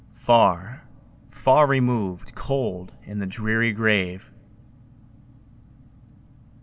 Far, far removed, cold in the dreary grave!